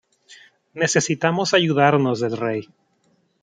Necesitamos ayudarnos del rey.